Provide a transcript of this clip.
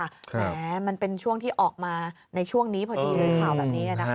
แหมมันเป็นช่วงที่ออกมาในช่วงนี้พอดีเลยข่าวแบบนี้นะคะ